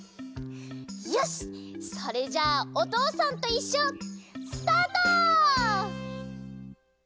よしそれじゃあ「おとうさんといっしょ」スタート！